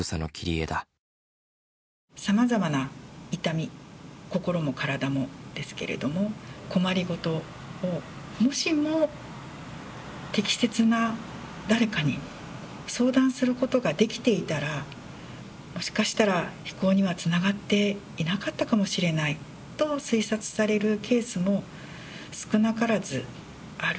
さまざまな痛み心も体もですけれども困りごとをもしかしたら非行にはつながっていなかったかもしれないと推察されるケースも少なからずある。